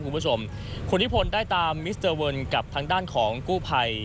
คุณหนิผลได้ตามนัดหุ่นทางด้านของกู้ไภ